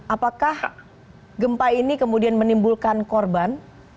apakah gempa ini kemudian menimbulkan korban